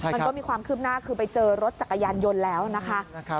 มันก็มีความคืบหน้าคือไปเจอรถจักรยานยนต์แล้วนะคะ